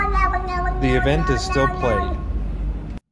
The event is still played.